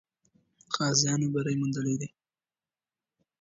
غازیانو بری موندلی دی.